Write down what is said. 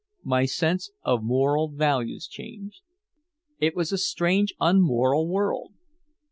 My sense of moral values changed. It was a strange unmoral world.